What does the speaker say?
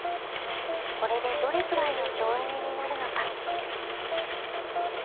これでどれくらいの省エネになるのか。